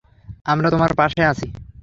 আমরা তোমার পাশে আছি।